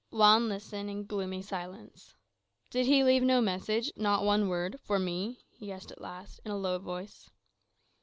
Juan listened in gloomy silence. "Did he leave no message, not one word, for me?" he asked at last, in a low voice.